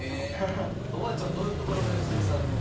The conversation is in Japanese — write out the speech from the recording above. おばあちゃんはどういうところが良純さんの。